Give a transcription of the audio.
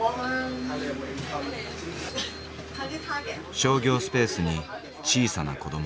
商業スペースに小さな子ども。